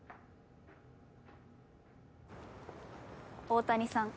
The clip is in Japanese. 大谷さん